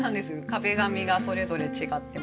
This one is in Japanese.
壁紙がそれぞれ違ってます。